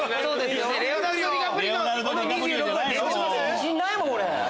自信ないもん俺。